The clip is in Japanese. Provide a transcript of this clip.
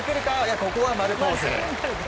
ここは、丸ポーズ。